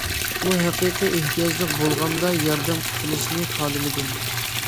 ئۇ ھەقىقىي ئېھتىياجلىق بولغاندا ياردەم قىلىشنى خالىمىدىم.